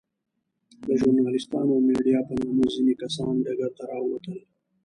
د ژورناليستانو او ميډيا په نامه ځينې کسان ډګر ته راووتل.